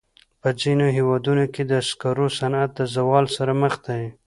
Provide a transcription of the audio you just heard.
په ځینو هېوادونو کې د سکرو صنعت د زوال سره مخ دی.